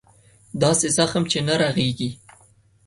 داسې زخم چې نه رغېږي.